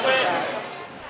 kemarin besok siang juga